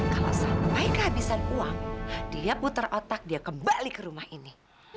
kalau sampai kehabisan uang dia putar otak dia kembali ke rumah ini